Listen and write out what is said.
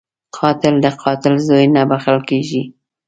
قاتل د قاتل زوی نه بخښل کېږي